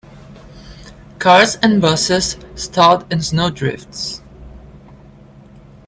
Cars and busses stalled in snow drifts.